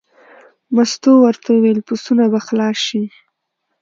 مستو ورته وویل: پسونه به خلاص شي.